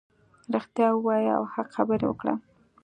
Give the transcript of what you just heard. رښتیا ووایه او حق خبرې وکړه .